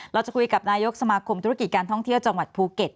เราจะคุยกับนายกสมาคมธุรกิจการท่องเที่ยวจังหวัดภูเก็ต